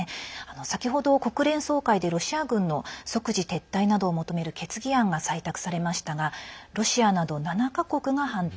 先ほど、国連総会でロシア軍の即時撤退などを求める決議案が採択されましたがロシアなど７か国が反対